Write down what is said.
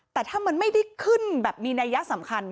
แต่ถ้ามันไม่ได้ขึ้นแบบมีนัยยะสำคัญ